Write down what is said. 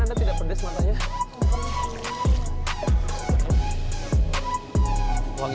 anda tidak pedes matanya